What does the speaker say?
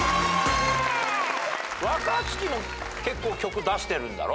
若槻も結構曲出してるんだろ？